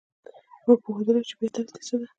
موږ پوهېدلای شو چې بې عدالتي څه ده.